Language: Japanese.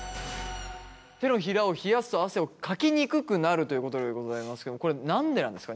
手のひらを冷やすと汗をかきにくくなるということでございますけどもこれ何でなんですか？